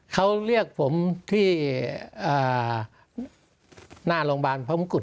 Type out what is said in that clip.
เขาเรียกผมที่หน้าโรงพยาบาลพระมงกุฎ